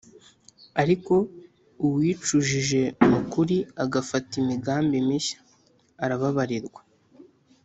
ariko uwicujije m’ukuri agafata imigambi mishya arababarirwa